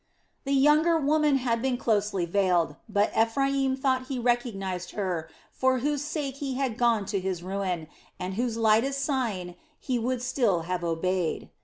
The younger woman had been closely veiled, but Ephraim thought he recognized her for whose sake he had gone to his ruin, and whose lightest sign he would still have obeyed.